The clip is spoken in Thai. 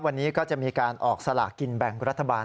วันนี้ก็จะมีการออกสลากกินแบ่งรัฐบาล